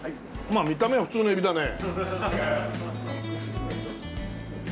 まあ見た目は普通のエビだね。